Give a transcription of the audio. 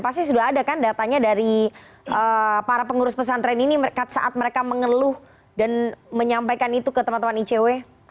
pasti sudah ada kan datanya dari para pengurus pesantren ini saat mereka mengeluh dan menyampaikan itu ke teman teman icw